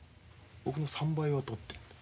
僕の３倍は取ってるんだ。